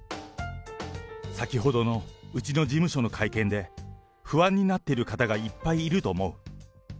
先ほどのうちの事務所の会見で、不安になっている方がいっぱいいると思う。